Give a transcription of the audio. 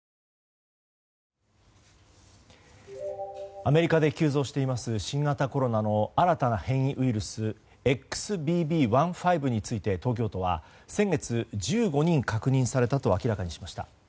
アメリカで急増しています新型コロナの新たな変異ウイルスＸＢＢ．１．５について東京都は先月１５人確認されたと明らかにしました。